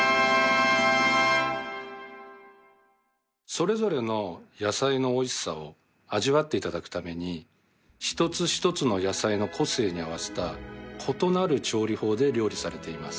それぞれの野菜のおいしさを味わっていただくために一つ一つの野菜の個性に合わせた異なる調理法で料理されています。